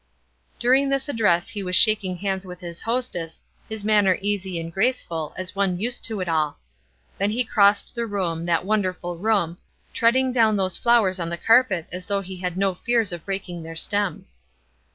During this address he was shaking hands with his hostess, his manner easy and graceful, as one used to it all. Then he crossed the room, that wonderful room, treading down those flowers on the carpet as though he had no fears of breaking their stems.